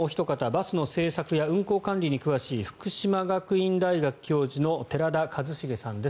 バスの政策や運行管理に詳しい福島学院大学教授の寺田一薫さんです。